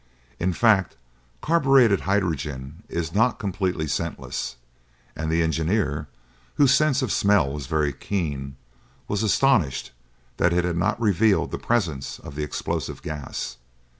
In fact, carburetted hydrogen is not completely scentless, and the engineer, whose sense of smell was very keen, was astonished that it had not revealed the presence of the explosive gas.